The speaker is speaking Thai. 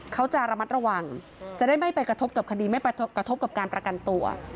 เขาจะระมัดระวังจะได้ไม่ไปกระทบกับคดีไม่กระทบกับการประกันตัว